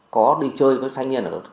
có đi chơi với thanh niên